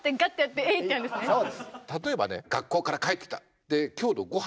例えばね学校から帰ってきた。